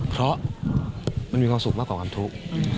เพราะมันมีความสุขมากกว่าความทุกข์